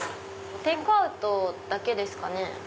テイクアウトだけですかね？